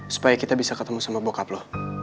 supaya kita bisa ketemu sama bokap lo